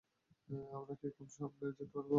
আমরা কি এখন সামনে যেতে পারব?